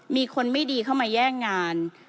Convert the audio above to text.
มีคนไม่ดีเข้ามาแย่งงาน